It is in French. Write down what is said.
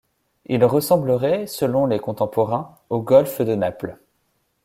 Il ressemblerait, selon les contemporains, au golfe de Naples.